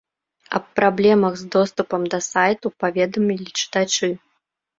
Аб праблемах з доступам да сайту паведамілі чытачы.